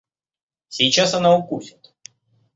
Сейчас она укусит.